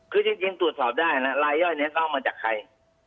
คือจริงตรวจสอบได้นะลายย่อยนี้ก็เอามาจากใคร